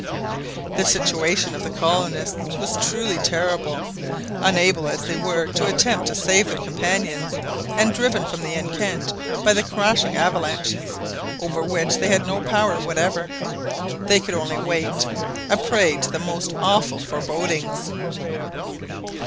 The situation of the colonists was truly terrible, unable as they were to attempt to save their companions, and driven from the enceinte by the crashing avalanches, over which they had no power whatever. They could only wait, a prey to the most awful forebodings.